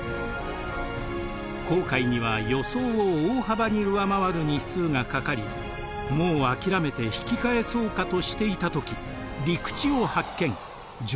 航海には予想を大幅に上回る日数がかかりもう諦めて引き返そうかとしていた時陸地を発見上陸を果たします。